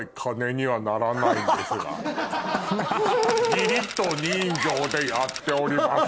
義理と人情でやっております。